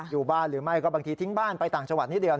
อยู่บ้านหรือไม่ก็บางทีทิ้งบ้านไปต่างจังหวัดนิดเดียว